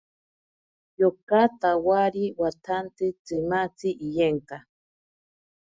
Yoka tawari watsanti tsimatzi iyenka.